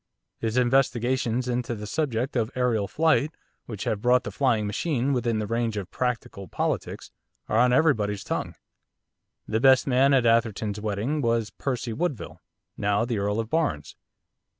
His investigations into the subject of aërial flight, which have brought the flying machine within the range of practical politics, are on everybody's tongue. The best man at Atherton's wedding was Percy Woodville, now the Earl of Barnes.